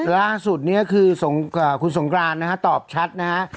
ล่าสุดเนี่ยคือคุณสงกรานตอบชัดนะฮะ